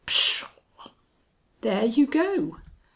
"Pshaw!" "There you go!"